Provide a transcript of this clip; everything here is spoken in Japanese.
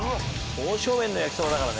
刀削麺の焼きそばだからね。